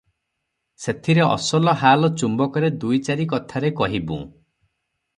ସେଥିରେ ଅସଲ ହାଲ ଚୁମ୍ବକରେ ଦୁଇ ଚାରି କଥାରେ କହିବୁଁ ।